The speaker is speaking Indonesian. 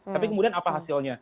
tapi kemudian apa hasilnya